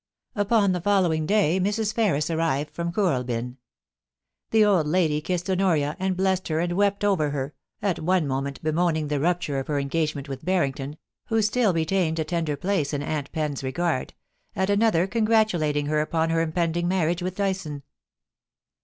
♦♦♦♦♦ Upon the following day Mrs. Ferris arrived from Kooral bya The old lady kissed Honoria and blessed her and 28 434 POLICY AND PASSION. wept over her, at one moment bemoaning the rupture of her engagement with Barrington, who still retained a tender place in Aunt Pen's regard, at another congratulating her upon her impending marriage with Dyson.